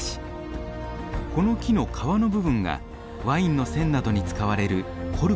この木の皮の部分がワインの栓などに使われるコルクです。